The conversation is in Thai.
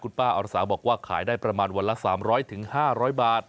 ป้าอรสาบอกว่าขายได้ประมาณวันละ๓๐๐๕๐๐บาท